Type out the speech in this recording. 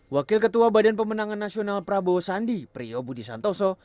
wakil ketua badan pemenangan nasional prabowo sandi priyo budi santoso